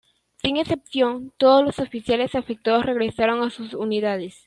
Sin excepción todos los oficiales afectados regresaron a sus unidades.